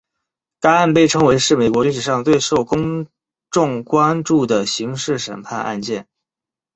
该案被称为是美国历史上最受公众关注的刑事审判案件。